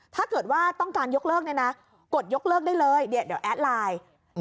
ถ้าเกิดว่าต้องการยกเลิกเนี่ยนะกดยกเลิกได้เลยเดี๋ยวแอดไลน์